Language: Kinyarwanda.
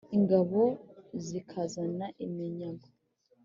ingabo zikazana iminyago.